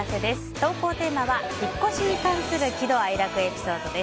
投稿テーマは、引っ越しに関する喜怒哀楽エピソードです。